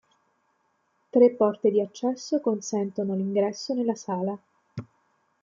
Tre porte di accesso consentono l'ingresso nella sala.